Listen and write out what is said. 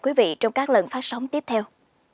quý vị trong các lần phát sóng tiếp theo